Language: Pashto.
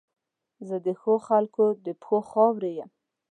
زه د ښو خلګو د پښو خاورې یم.